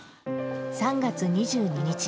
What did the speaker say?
３月２２日。